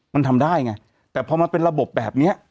มันทำได้ไงแต่พอมันเป็นระบบแบบนี้